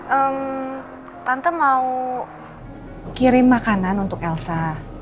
hmm tante mau kirim makanan untuk elsa